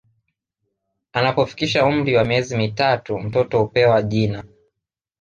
Anapofikisha umri wa miezi mitatu mtoto hupewa jina